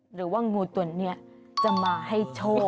หรือว่างูตัวนี้จะมาให้โชค